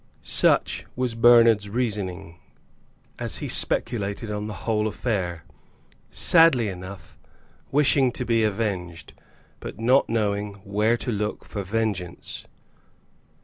Such was Bernard's reasoning, as he speculated on the whole affair, sadly enough, wishing to be avenged, but not knowing where to look for vengeance.